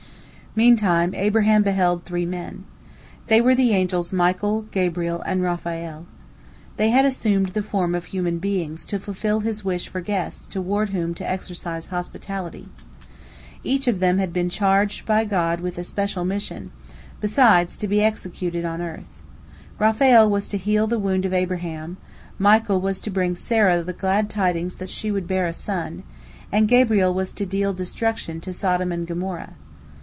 " Meantime Abraham beheld three men. They were the angels Michael, Gabriel, and Raphael. They had assumed the form of human beings to fulfil his wish for guests toward whom to exercise hospitality. Each of them had been charged by God with a special mission, besides, to be executed on earth. Raphael was to heal the wound of Abraham, Michael was to bring Sarah the glad tidings that she would bear a son, and Gabriel was to deal destruction to Sodom and Gomorrah.